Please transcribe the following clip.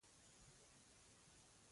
کروندګر د خپل ژوند له سختیو نه نه شکايت کوي